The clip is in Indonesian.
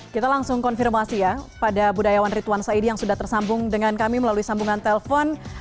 kita langsung konfirmasi ya pada budayawan rituan saidi yang sudah tersambung dengan kami melalui sambungan telpon